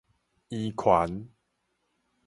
圓環